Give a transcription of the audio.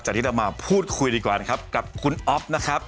ที่เรามาพูดคุยดีกว่านะครับกับคุณอ๊อฟนะครับ